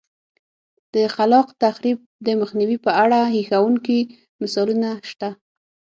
د خلاق تخریب د مخنیوي په اړه هیښوونکي مثالونه شته